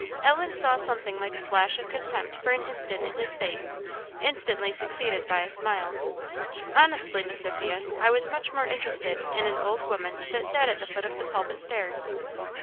Ellen saw something like a flash of contempt for an instant in his face, instantly succeeded by a smile. "Honestly, Miss Sophia, I was much more interested in an old woman that sat at the foot of the pulpit stairs."